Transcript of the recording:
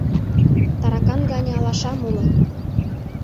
Таракан гане алашам уло.